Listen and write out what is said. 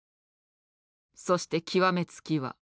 そして極め付きは。